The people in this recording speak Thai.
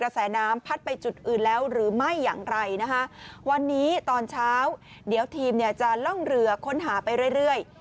แสน้ำพัดไปจุดอื่นแล้วหรือไม่อย่างไรนะคะวันนี้ตอนเช้าเดี๋ยวทีมเนี่ยจะล่องเรือค้นหาไปเรื่อยเรื่อย